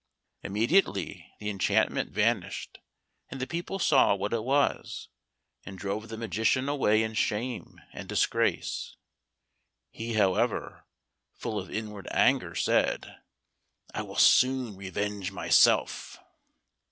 Immediately the enchantment vanished, and the people saw what it was, and drove the magician away in shame and disgrace. He, however, full of inward anger, said, "I will soon revenge myself."